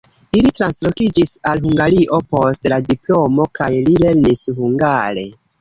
Ili translokiĝis al Hungario post la diplomo kaj li lernis hungare.